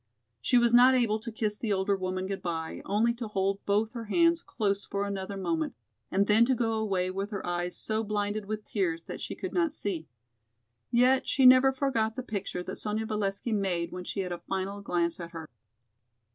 She was not able to kiss the older woman good by, only to hold both her hands close for another moment and then to go away with her eyes so blinded with tears that she could not see. Yet she never forgot the picture that Sonya Valesky made when she had a final glance at her.